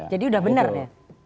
jadi udah benar ya